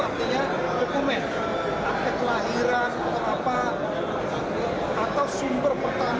orang lain itu dia mungkin menunjukkan buku berpensi